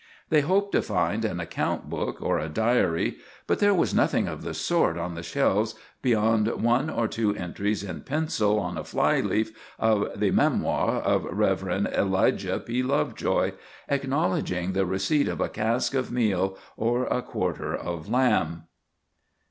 They hoped to find an account book or a diary, but there was nothing of the sort on the shelves beyond one or two entries in pencil on a fly leaf of the "Memoir of Rev. Elijah P. Lovejoy," acknowledging the receipt of a cask of meal or a quarter of lamb.